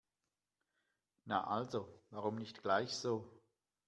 Na also, warum nicht gleich so?